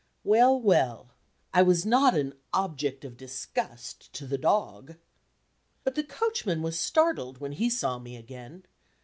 Well! well! I was not an object of disgust to the dog. But the coachman was startled, when he saw me again.